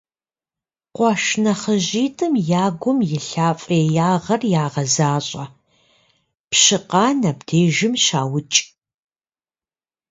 Къуэш нэхъыжьитӀым я гум илъа фӀеягъэр ягъэзащӀэ: Пщыкъан абдежым щаукӀ.